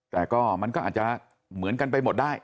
แต่ก็มันก็อาจจะเหมือนกันไปหมดได้